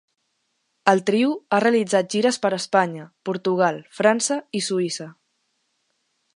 El trio ha realitzat gires per Espanya, Portugal, França i Suïssa.